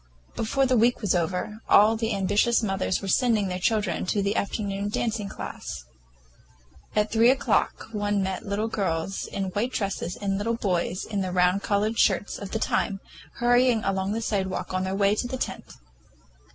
Before the week was over, all the ambitious mothers were sending their children to the afternoon dancing class. At three o'clock one met little girls in white dresses and little boys in the round collared shirts of the time, hurrying along the sidewalk on their way to the tent.